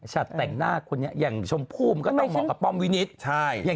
อาชารใจน์แจ่งหน้าคนนี้อย่างชมพู่มันก็ต้องเหมาะกับป้อมวินิษฌ์